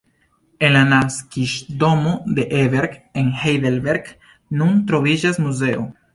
En la naskiĝdomo de Ebert, en Heidelberg, nun troviĝas muzeo.